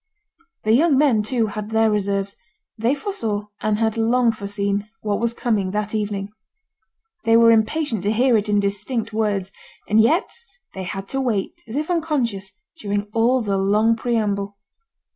The young men, too, had their reserves. They foresaw, and had long foreseen, what was coming that evening. They were impatient to hear it in distinct words; and yet they had to wait, as if unconscious, during all the long preamble.